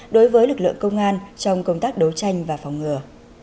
đối với lực lượng công an trong công tác đấu tranh và phòng ngừa